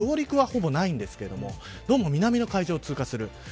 その後、本州に上陸はほぼないんですけどどうも南の海上を通過する。